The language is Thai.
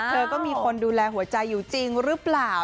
เธอก็มีคนดูแลหัวใจอยู่จริงหรือเปล่า